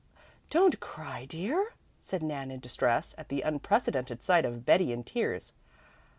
"Don't cry, dear," said Nan in distress, at the unprecedented sight of Betty in tears.